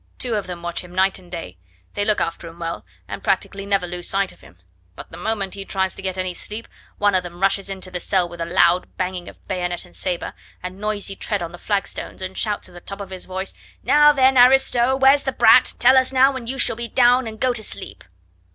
Two of them watch him night and day; they look after him well, and practically never lose sight of him, but the moment he tries to get any sleep one of them rushes into the cell with a loud banging of bayonet and sabre, and noisy tread on the flagstones, and shouts at the top of his voice: 'Now then, aristo, where's the brat? Tell us now, and you shall be down and go to sleep.